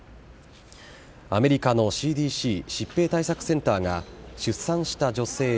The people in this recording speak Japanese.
アメリカのＣＤＣ・疾病対策センターが、出産した女性